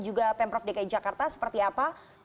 juga pemprov dki jakarta seperti apa